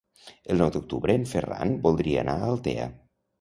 El nou d'octubre en Ferran voldria anar a Altea.